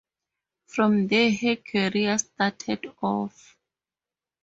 From there her career started off.